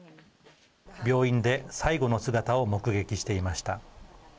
病院で最期の姿を目撃していました。